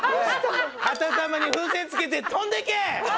片玉に風船つけて飛んでいけ！